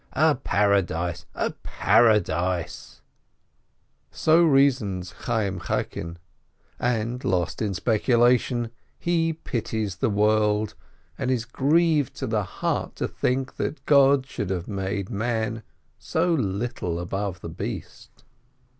A paradise! a paradise!" AN EASY FAST 147 So reasons Chayyim Chaikin, and, lost in speculation, he pities the world, and is grieved to the heart to think that God should have made man so little above the beast.